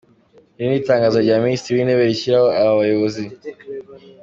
Iri ni itangazo rya Minisitiri w’Intebe rishyiraho aba bayobozi .